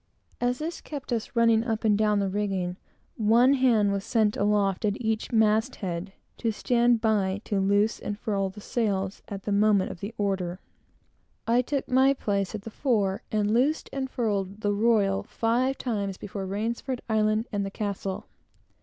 As this kept us running up and down the rigging all the time, one hand was sent aloft at each mast head, to stand by to loose and furl the sails, at the moment of the order. I took my place at the fore, and loosed and furled the royal five times between Rainsford Island and the Castle.